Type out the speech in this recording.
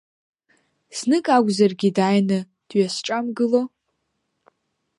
Знык акәзаргьы, дааины дҩасҿамгыло.